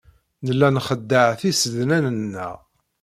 Nella nxeddeɛ tisednan-nneɣ.